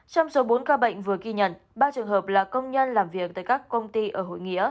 trong số bốn ca bệnh vừa ghi nhận ba trường hợp là công nhân làm việc tại các công ty ở hội nghĩa